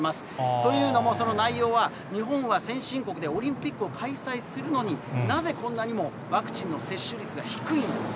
というのも、その内容は日本は先進国で、オリンピックを開催するのになぜこんなにもワクチンの接種率が低いのか。